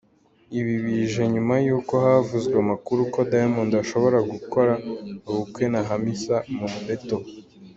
Ibi bije nyuma yuko havuzwe amakuru ko Diamond ashobora gukora ubukwe na Hamisa Mabetto .